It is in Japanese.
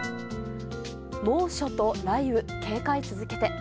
猛暑と雷雨、警戒続けて。